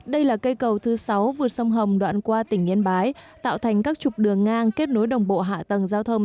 đây là cây cầu thứ sáu vượt sông hồng đoạn qua tỉnh yên bái tạo thành các chục đường ngang kết nối đồng bộ hạ tầng giao thông